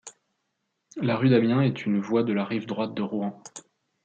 La rue d'Amiens est une voie de la rive droite de Rouen.